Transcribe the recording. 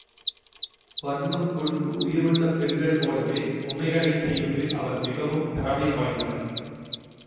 வர்ணம் கொடுத்து உயிருள்ள பெண்கள் போலவே பொம்மைகளைச் செய்வதில் அவர் மிகவும் திறமை வாய்ந்தவர்.